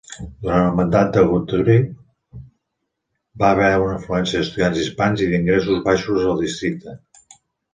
Durant el mandat de Guthrie, va haver una afluència d'estudiants hispans i d'ingressos baixos al districte.